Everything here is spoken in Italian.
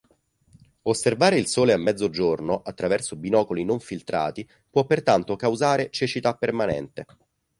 Osservare il Sole a mezzogiorno attraverso binocoli non filtrati può pertanto causare cecità permanente.